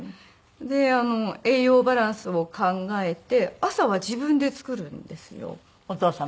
で栄養バランスを考えて朝は自分で作るんですよ。お父様？